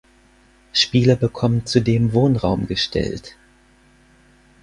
Spieler bekommen zudem Wohnraum gestellt.